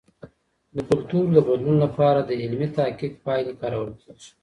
د کلتور د بدلون لپاره د علمي تحقیق پایلې کارول کیږي.